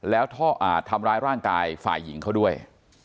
แล้วทำร้ายร่างกายฝ่ายหญิงเขาด้วย